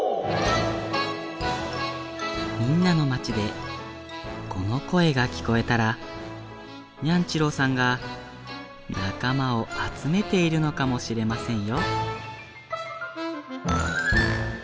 みんなのまちでこのこえがきこえたらニャンちろうさんがなかまをあつめているのかもしれませんよ。